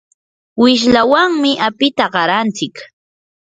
wishlawanmi apita qarantsik.